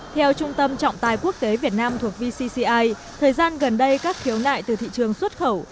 theo trung tâm trọng tài quốc tế việt nam thuộc vcci thời gian gần đây các khiếu nại từ thị trường xuất khẩu